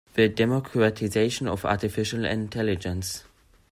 The democratization of artificial intelligence.